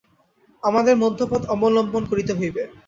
আমাদের মধ্যপথ অবলম্বন করিতে হইবে।